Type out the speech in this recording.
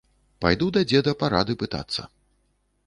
Пайду да дзеда парады пытацца.